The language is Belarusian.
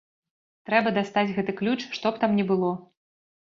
Трэба дастаць гэты ключ што б там ні было!